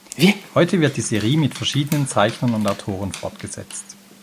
Heute wird die Serie mit verschiedenen Zeichnern und Autoren fortgesetzt.